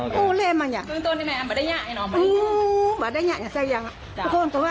ด้วยโทษงานพวกนายสาวปายก็ดีกว่า